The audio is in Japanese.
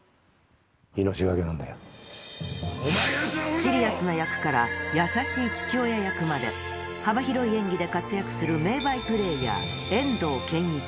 シリアスな役から優しい父親役まで、幅広い演技で活躍する名バイプレーヤー、遠藤憲一。